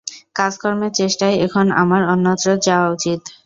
কাজকর্মের চেষ্টায় এখন আমার অন্যত্র যাওয়া উচিত।